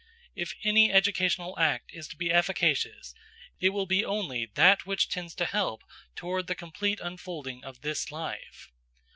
If any educational act is to be efficacious, it will be only that which tends to help toward the complete unfolding of this life.